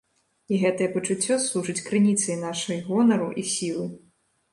І гэтае пачуццё служыць крыніцай нашай гонару і сілы.